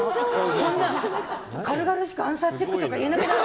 そんな軽々しくアンサーチェックとか言えなくなる。